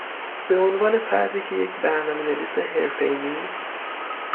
به عنوان فردی که یک برنامهنویس حرفهای نیست